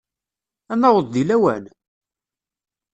Ad naweḍ deg lawan?